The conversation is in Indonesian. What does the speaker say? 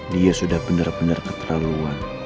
dia sudah benar benar keterlaluan